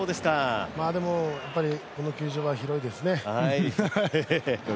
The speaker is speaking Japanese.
でもこの球場は、広いですね。